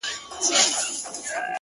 سردونو ویښ نه کړای سو-